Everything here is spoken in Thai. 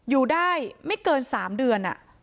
อยู่ได้ไม่เกิน๓เดือน